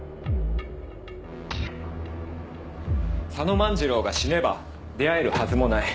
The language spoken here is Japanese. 佐野万次郎が死ねば出会えるはずもない。